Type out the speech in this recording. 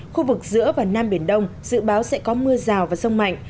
khu vực giữa và nam biển đông dự báo sẽ có mưa rào và rông mạnh